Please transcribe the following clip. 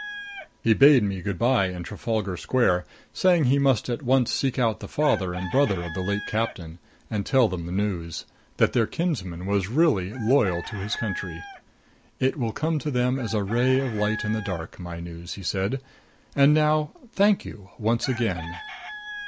He bade me good by in Trafalgar Square, saying that he must at once seek out the father and brother of the late captain, and tell them the news that their kinsman was really loyal to his country. "It will come to them as a ray of light in the dark my news," he said. "And now, thank you once again."